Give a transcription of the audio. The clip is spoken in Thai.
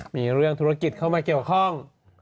มีเรื่องธุรกิจเข้ามาเกี่ยวข้อง